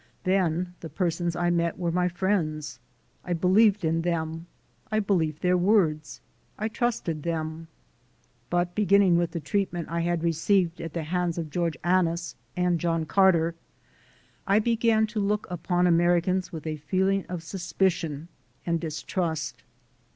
Then the persons I met were my friends. I believed in them, I believed their words, I trusted them. But beginning with the treatment I had received at the hands of George Annis and John Carter, I began to look upon Americans with a feeling of suspicion and distrust.